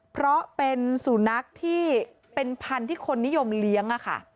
เพราะเป็นสุนัขที่เป็นพันธุ์ที่คนนิยมเลี้ยง